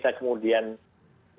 tidak ada ukuran apa